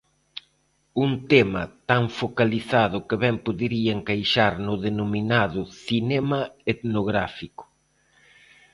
Un tema tan focalizado que ben podería encaixar no denominado cinema etnográfico.